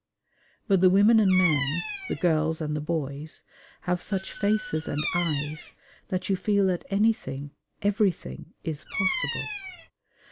But the women and men, the girls and the boys, have such faces and eyes that you feel that anything, everything, is possible.